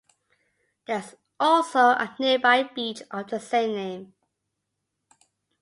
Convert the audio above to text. There is also a nearby beach of the same name.